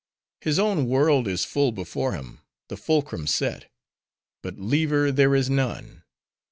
His own world is full before him; the fulcrum set; but lever there is none.